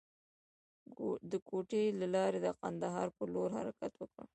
د کوټې له لارې د کندهار پر لور حرکت وکړ.